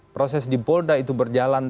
proses di polda itu berjalan